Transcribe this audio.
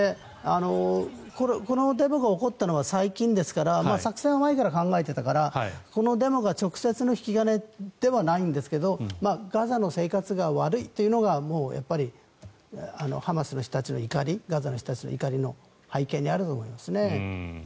このデモが起こったのは最近ですから作戦は前から考えていたからこのデモが直接の引き金ではないんですがガザの生活が悪いというのがハマスの人たちの怒りガザの人たちの怒りの背景にあると思いますね。